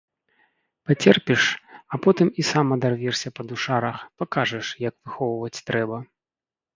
Пацерпіш, а потым і сам адарвешся на душарах, пакажаш, як выхоўваць трэба.